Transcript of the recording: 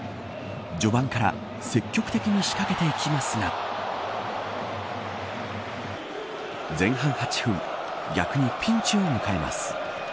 序盤から積極的に仕掛けていきますが前半８分逆にピンチを迎えます。